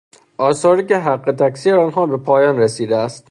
آثاری که حق تکثیر آنها به پایان رسیدهاست.